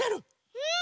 うん！